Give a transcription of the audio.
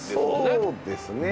そうですね。